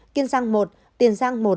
kiên giang một tiền giang một